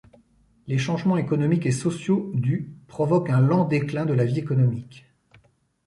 Les changements économiques et sociaux du provoquent un lent déclin de la vie économique.